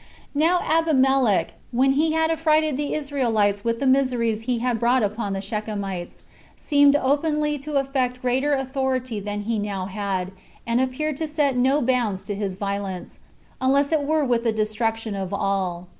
5. Now Abimelech, when he had affrighted the Israelites with the miseries he had brought upon the Shechemites, seemed openly to affect greater authority than he now had, and appeared to set no bounds to his violence, unless it were with the destruction of all.